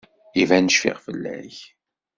Iban cfiɣ fell-ak.